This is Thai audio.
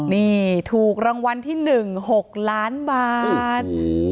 นี่ถูกรางวัลที่๑๖ล้านบาท